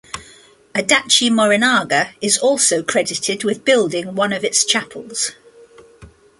Adachi Morinaga is also credited with building one of its chapels.